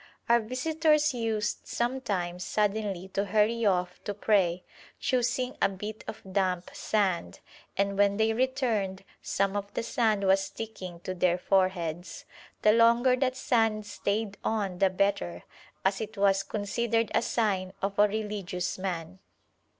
Our visitors used sometimes suddenly to hurry off to pray, choosing a bit of damp sand, and when they returned some of the sand was sticking to their foreheads. The longer that sand stayed on the better, as it was considered a sign of a religious man.